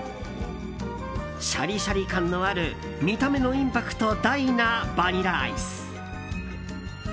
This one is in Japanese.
シャリシャリ感のある見た目のインパクト大なバニラアイス。